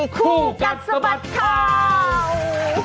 คู่กัดสะบัดข่าว